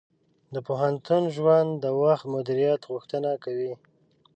د پوهنتون ژوند د وخت مدیریت غوښتنه کوي.